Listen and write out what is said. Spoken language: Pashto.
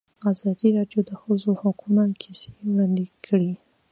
ازادي راډیو د د ښځو حقونه کیسې وړاندې کړي.